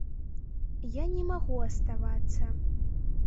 Я не магу аставацца.